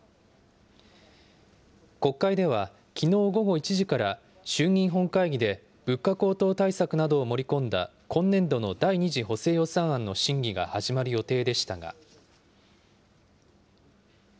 国会では、きのう午後１時から、衆議院本会議で物価高騰対策などを盛り込んだ今年度の第２次補正予算案の審議が始まる予定でしたが。